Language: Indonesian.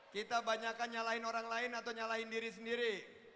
kita banyak menyalahkan orang lain atau menyalahkan diri sendiri